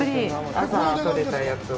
朝取れたやつを。